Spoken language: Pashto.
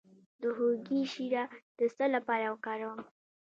د هوږې شیره د څه لپاره وکاروم؟